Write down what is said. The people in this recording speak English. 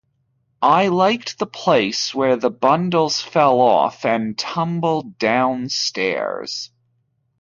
I liked the place where the bundles fell off and tumbled down stairs.